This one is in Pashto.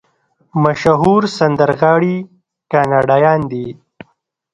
مشهور سندرغاړي کاناډایان دي.